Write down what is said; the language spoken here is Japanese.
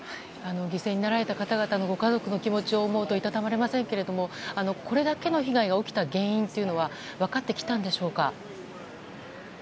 犠牲になられた方々のご家族の気持ちを思うといたたまれませんけどもこれだけの被害が起きた原因は分かってきたんでしょうか。